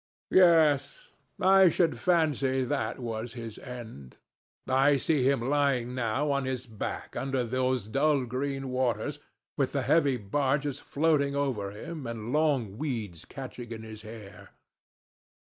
Yes: I should fancy that was his end. I see him lying now on his back under those dull green waters, with the heavy barges floating over him and long weeds catching in his hair.